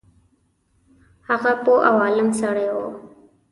هغه پوه او عالم سړی وو.